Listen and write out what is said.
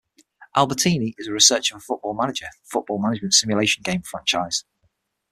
Albertini is a researcher for Football Manager, the football management simulation game franchise.